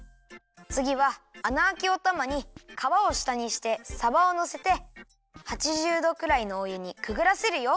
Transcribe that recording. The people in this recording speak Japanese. つぎはあなあきおたまにかわをしたにしてさばをのせて８０どくらいのおゆにくぐらせるよ。